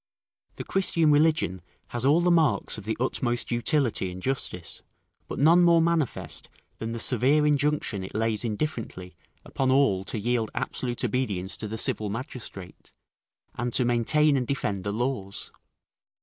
The Christian religion has all the marks of the utmost utility and justice: but none more manifest than the severe injunction it lays indifferently upon all to yield absolute obedience to the civil magistrate, and to maintain and defend the laws.